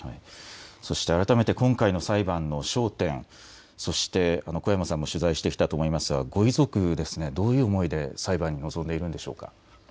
そして改めて今回の裁判の焦点、そして小山さんも取材してきたと思いますが、ご遺族、どういう思いで裁判に臨んでいるんでしょうか。